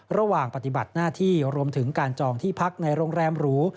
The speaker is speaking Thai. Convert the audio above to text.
ระหว่างปฏิบัติหน้าที่รวมถึงการจองที่พักในโรงแรมหรู